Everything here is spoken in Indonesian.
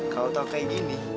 kalo tau kayak gini